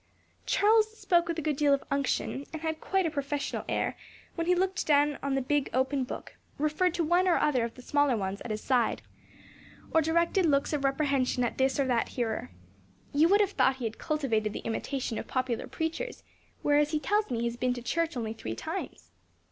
Charles spoke with a good deal of unction, and had quite a professional air when he looked down on the big open book, referred to one or other of the smaller ones at his side, or directed looks of reprehension at this or that hearer. You would have thought he had cultivated the imitation of popular preachers, whereas he tells me he has been to church only three times.